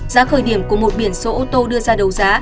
giá khởi điểm của một biển số ô tô đưa ra đấu giá